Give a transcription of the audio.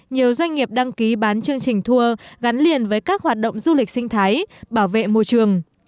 nhiều doanh nghiệp đăng ký bán chương trình tour gắn liền với các hoạt động du lịch sinh thái bảo vệ môi trường